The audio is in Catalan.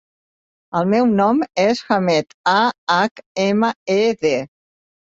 El meu nom és Ahmed: a, hac, ema, e, de.